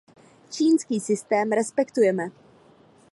Čínský systém respektujeme.